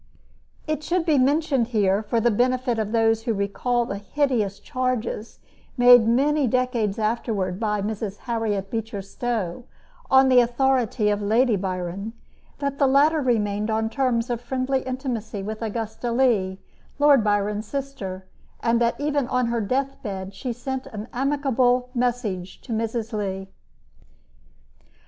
It should be mentioned here, for the benefit of those who recall the hideous charges made many decades afterward by Mrs. Harriet Beecher Stowe on the authority of Lady Byron, that the latter remained on terms of friendly intimacy with Augusta Leigh, Lord Byron's sister, and that even on her death bed she sent an amicable message to Mrs. Leigh.